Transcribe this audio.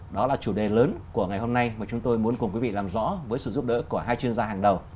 đó là chủ đề lớn của ngày hôm nay mà chúng tôi muốn cùng quý vị làm rõ với sự giúp đỡ của hai chuyên gia hàng đầu